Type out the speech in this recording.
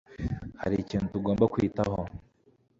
hari ikintu tugomba kwitaho.